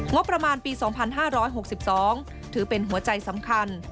งบประมาณปี๒๕๖๒ถือเป็นหัวใจสำคัญ